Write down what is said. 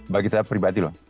bagi saya pribadi loh